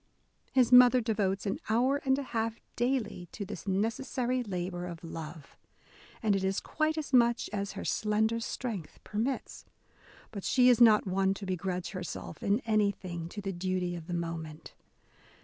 His mother devotes an hour and a half daily to this necessary labour of love, and it is quite as much as her slender strength permits. But she is not one to be grudge herself in anything to the duty of the moment.